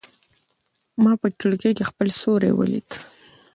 ما په کړکۍ کې خپل سیوری ولید.